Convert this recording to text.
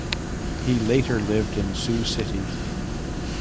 He later lived in Sioux City.